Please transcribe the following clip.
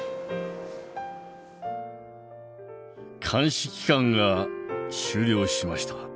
監視期間が終了しました。